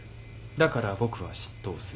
だから僕は執刀する。